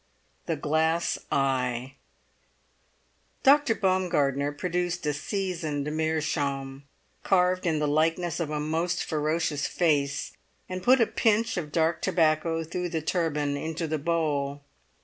THE GLASS EYE Dr. Baumgartner produced a seasoned meerschaum, carved in the likeness of a most ferocious face, and put a pinch of dark tobacco through the turban into the bowl.